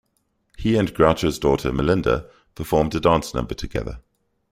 He and Groucho's daughter, Melinda, performed a dance number together.